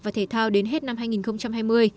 và thể thao đến hết năm hai nghìn hai mươi